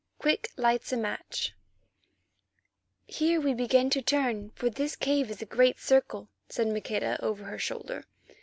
QUICK LIGHTS A MATCH "Here we begin to turn, for this cave is a great circle," said Maqueda over her shoulder.